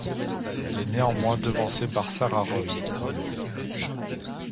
Elle est néanmoins devancée par Sarah Roy.